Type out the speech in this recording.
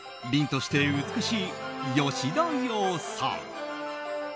凛として美しい吉田羊さん。